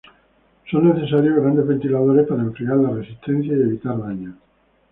Son necesarios grandes ventiladores para enfriar las resistencias y evitar daños.